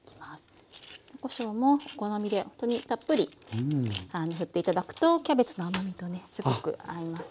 黒こしょうもお好みでほんとにたっぷりふって頂くとキャベツの甘みとねすごく合いますので。